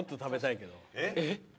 えっ？